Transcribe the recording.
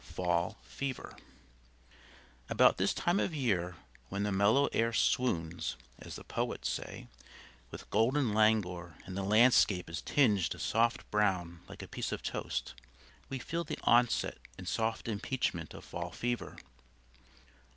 FALL FEVER About this time of year, when the mellow air swoons (as the poets say) with golden languor and the landscape is tinged a soft brown like a piece of toast, we feel the onset and soft impeachment of fall fever.